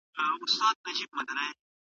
موږ له ډاره ماڼۍ ړنګه نه کړه.